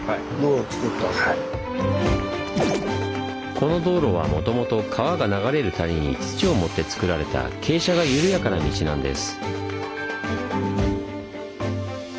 この道路はもともと川が流れる谷に土を盛ってつくられた実は単にそうです。